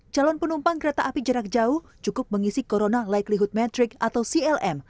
calon penumpang kereta api jarak jauh cukup mengisi corona likely hud metric atau clm